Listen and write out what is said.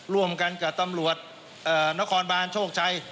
ร่วมกันกับตำรวจนครบานโชคชัย